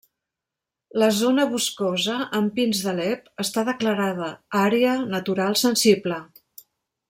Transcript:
La zona boscosa, amb pins d'Alep, està declarada àrea natural sensible.